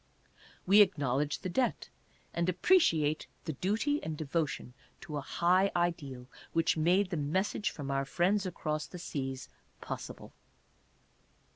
We acknowledge the debt, and appreciate the duty and devotion to a high ideal which made the message from our Friends Across the Seas possible.